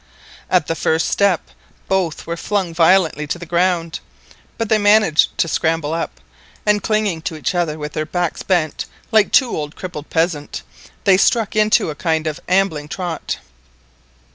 At the first step, both were flung violently to the ground, but they managed to scramble up, and clinging to each other with their backs bent like two old crippled peasants, they struck into a kind of ambling trot.